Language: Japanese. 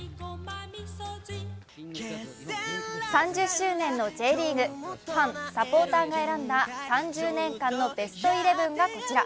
３０周年のＪリーグ、ファン、サポーターが選んだ３０年間のベストイレブンがこちら。